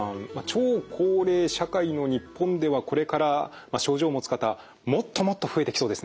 超高齢社会の日本ではこれから症状を持つ方もっともっと増えてきそうですね。